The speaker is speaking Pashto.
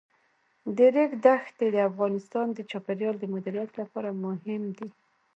د ریګ دښتې د افغانستان د چاپیریال د مدیریت لپاره مهم دي.